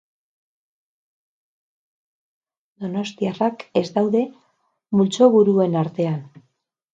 Donostiarrak ez daude multzoburuen artean.